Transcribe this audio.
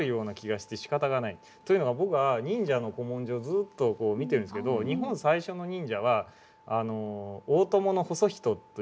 というのは僕は忍者の古文書をずっと見てるんですけど日本最初の忍者は大伴細人といって。